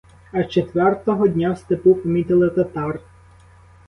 Аж четвертого дня в степу помітили татар.